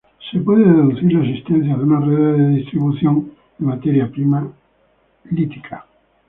Se puede deducir la existencia de unas redes de distribución de materia prima lítica.